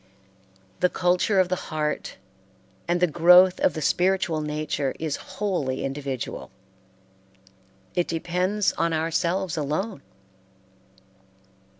The culture of the heart and the growth of the spiritual nature is wholly individual; it depends on ourselves alone.